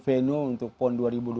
venu venu untuk pon dua ribu dua puluh